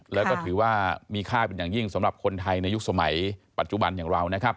แล้วก็ถือว่ามีค่าเป็นอย่างยิ่งสำหรับคนไทยในยุคสมัยปัจจุบันอย่างเรานะครับ